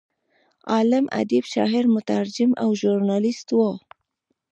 عالم، ادیب، شاعر، مترجم او ژورنالست و.